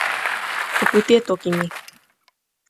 o kute e toki mi.